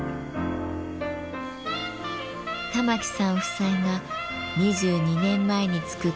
玉城さん夫妻が２２年前に造った登り窯。